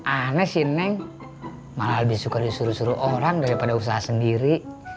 aneh sih neng malah lebih suka disuruh suruh orang daripada usaha sendiri